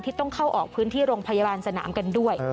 ต้องเข้าออกพื้นที่โรงพยาบาลสนามกันด้วย